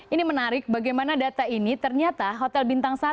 ini menarik bagaimana data ini ternyata hotel bintang satu